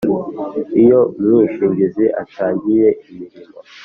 Iyo umwishingizi atangiye imirimo